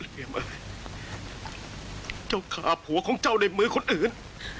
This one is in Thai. เรียมเอยเจ้าฆ่าผัวของเจ้าในมือคนอื่น